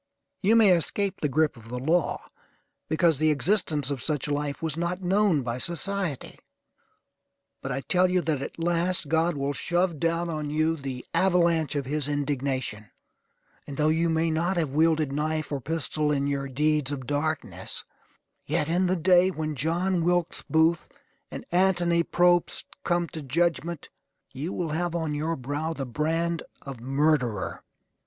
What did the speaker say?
You may escape the grip of the law, because the existence of such life was not known by society; but I tell you that at last God will shove down on you the avalanche of his indignation; and though you may not have wielded knife or pistol in your deeds of darkness, yet, in the day when John Wilkes Booth and Antony Probst come to judgment, you will have on your brow the brand of murderer.